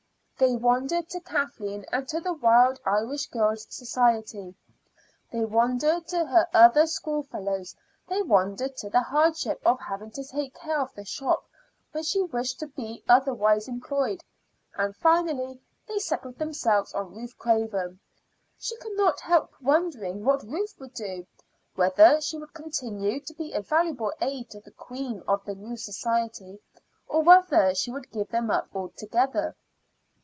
They wandered to Kathleen and the Wild Irish Girls' Society; they wandered to her other schoolfellows; they wandered to the hardship of having to take care of the shop when she wished to be otherwise employed; and finally they settled themselves on Ruth Craven. She could not help wondering what Ruth would do whether she would continue to be a valuable aid to the queen of the new society, or whether she would give them up altogether.